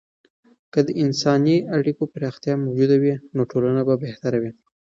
که د انساني اړیکو پراختیا موجوده وي، نو ټولنه به بهتره وي.